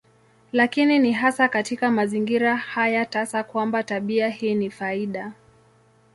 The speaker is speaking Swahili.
Lakini ni hasa katika mazingira haya tasa kwamba tabia hii ni faida.